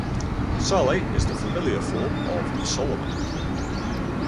Sally is the familiar form of Salomon.